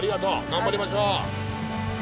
頑張りましょう。